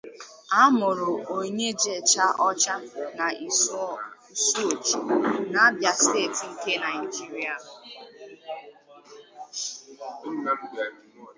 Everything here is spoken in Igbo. A mụrụ Onyejeocha na Isuochi na Abia steeti nke Naijiria.